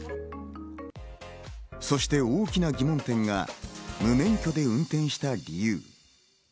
そして大きな疑問点が無免許で運転した理由。